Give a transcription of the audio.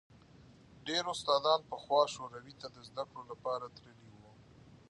ډېر استادان پخوا شوروي ته د زدکړو لپاره تللي وو.